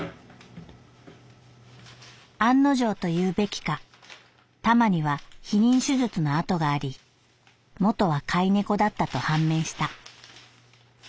「案の定というべきかタマには避妊手術の痕があり元は飼い猫だったと判明した」。